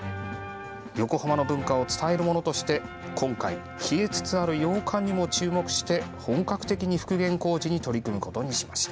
横浜の文化を伝えるものとして今回、消えつつある洋館にも注目して本格的に復元工事に取り組むことにしました。